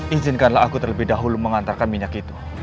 izinkanlah aku terlebih dahulu mengantarkan minyak itu